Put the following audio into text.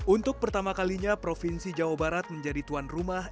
untuk pertama kalinya provinsi jawa barat menjadi tuan rumah